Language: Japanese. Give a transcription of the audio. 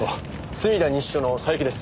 墨田西署の佐伯です。